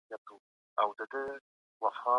د نړيوالو اصولو رعایت د ټولنې پرمختګ سبب کیږي.